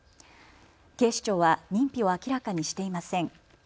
警視庁は認否を明らかにしていません。